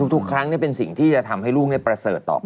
ทุกครั้งเป็นสิ่งที่จะทำให้ลูกประเสริฐต่อไป